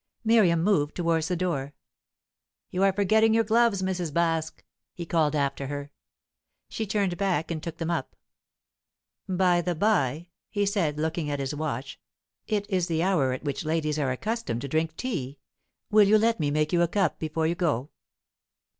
Miriam moved towards the door. "You are forgetting your gloves, Mrs. Baske," he called after her. She turned back and took them up. "By the bye," he said, looking at his watch, "it is the hour at which ladies are accustomed to drink tea. Will you let me make you a cup before you go?"